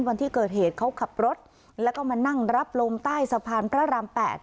วันที่เกิดเหตุเขาขับรถแล้วก็มานั่งรับลมใต้สะพานพระราม๘